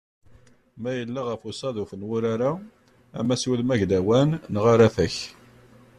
Ma yella ɣef uṣaḍuf n wurar-a, ama s wudem aglawan, neɣ aratak.